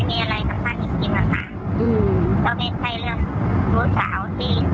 ไม่มีอะไรสำคัญจริงค่ะ